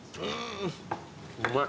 うまい。